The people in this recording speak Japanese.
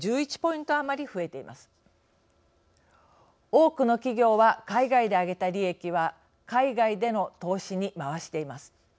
多くの企業は海外で上げた利益は海外での投資に回しています。